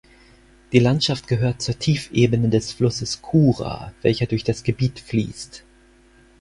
Die Landschaft gehört zur Tiefebene des Flusses Kura, welcher durch das Gebiet fließt.